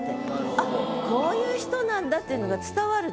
あっこういう人なんだっていうのが伝わるでしょ？